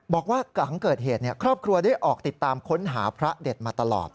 บอกว่าหลังเกิดเหตุครอบครัวได้ออกติดตามค้นหาพระเด็ดมาตลอด